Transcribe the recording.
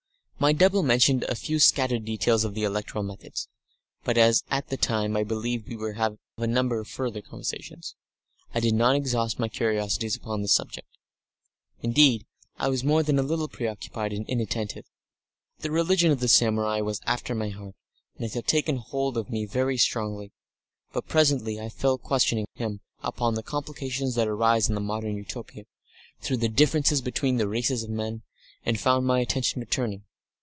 My double mentioned a few scattered details of the electoral methods, but as at that time I believed we were to have a number of further conversations, I did not exhaust my curiosities upon this subject. Indeed, I was more than a little preoccupied and inattentive. The religion of the samurai was after my heart, and it had taken hold of me very strongly.... But presently I fell questioning him upon the complications that arise in the Modern Utopia through the differences between the races of men, and found my attention returning.